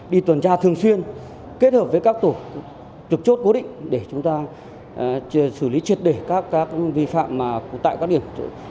đi tuần tra thường xuyên kết hợp với các tổ trực chốt cố định để chúng ta xử lý triệt đề các vấn đề phạm tại các điểm